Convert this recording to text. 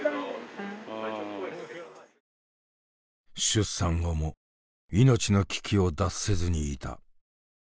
出産後も命の危機を脱せずにいた。